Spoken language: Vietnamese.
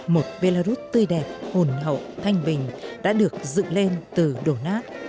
một belarus tươi đẹp hồn hậu thanh bình đã được dựng lên từ đổ nát